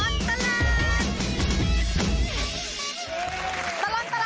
ช่วงตลอดตลาด